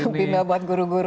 jadi bimbel buat guru guru